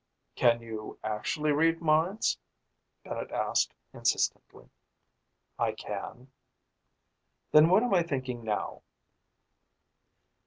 "Can you actually read minds?" Bennett asked insistently. "I can." "Then what am I thinking now?"